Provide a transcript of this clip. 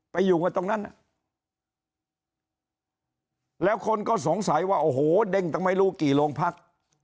อยู่กันตรงนั้นแล้วคนก็สงสัยว่าโอ้โหเด้งตั้งไม่รู้กี่โรงพัก